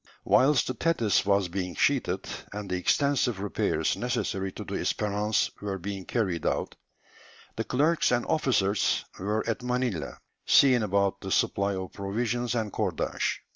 Whilst the Thetis was being sheathed, and the extensive repairs necessary to the Espérance were being carried out, the clerks and officers were at Manilla, seeing about the supply of provisions and cordage.